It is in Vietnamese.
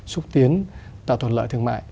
xúc tiến tạo thuận lợi thương mại